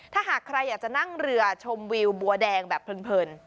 ถ้าหากใครอยากจะนั่งเรือชมวิวบัวแดงแบบเพลิน